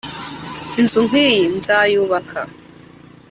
inzu nkiyi nzayubaka?